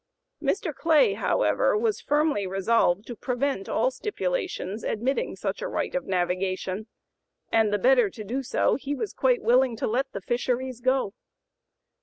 Mr. Clay, however, was firmly resolved to prevent all stipulations admitting such a right of navigation, and the better to do so he was quite willing to let the fisheries go.